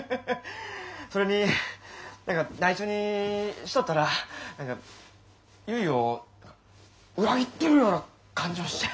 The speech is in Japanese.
それに何かないしょにしとったら何か結を裏切ってるような感じもして。